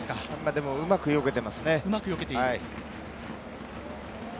でも、うまくよけてますね。